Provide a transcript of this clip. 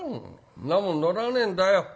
んなもん乗らねえんだよ。